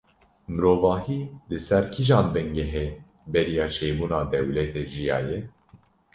Mirovahî, li ser kîjan bingehê beriya çêbûna dewletê, jiyaye?